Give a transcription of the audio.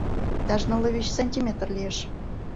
— Иктаж нылле вич сантиметр лиеш!